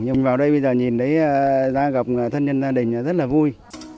nhưng vào đây bây giờ nhìn thấy ra gặp thân nhân gia đình là rất là vui